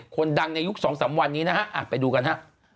คนดังในยุค๒๓วันนี้นะครับไปดูกันครับ